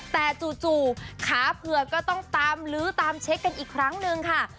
แต่จู่ขาเผือกก็ต้องตามลื้อตามเช็คกันอีกครั้งนึงค่ะ